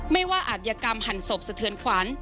ไม่ว่าอาจยกรรมหั่นศพสะเทือนขวัญ